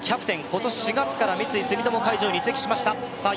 今年４月から三井住友海上に移籍しましたさあ